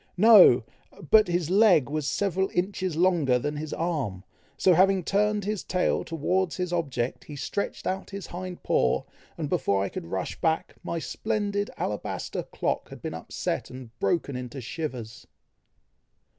"No! but his leg was several inches longer than his arm, so having turned his tail towards his object, he stretched out his hind paw, and before I could rush back, my splendid alabaster clock had been upset and broken to shivers."